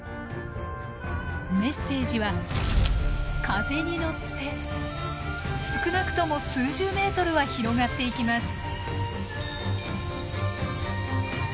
メッセージは風に乗って少なくとも数十メートルは広がっていきます。